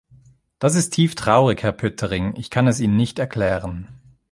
Das ist tief traurig, Herr Poettering, ich kann es Ihnen nicht erklären.